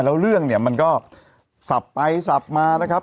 แล้วเรื่องเนี่ยมันก็สับไปสับมานะครับ